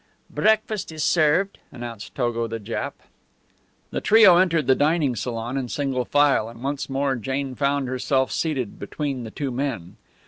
"Breakfast iss served," announced Togo the Jap. The trio entered the dining salon in single file, and once more Jane found herself seated between the two men.